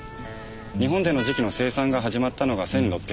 日本での磁器の生産が始まったのが１６１６年。